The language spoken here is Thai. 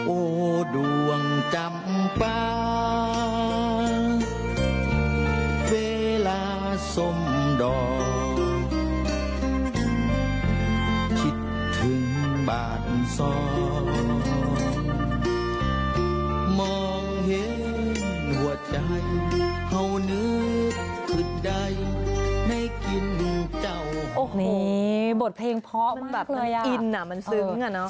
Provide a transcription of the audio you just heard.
โอ้โหบทเพลงเพาะมากเลยอ่ะมันอินอ่ะมันซึ้งอ่ะเนาะ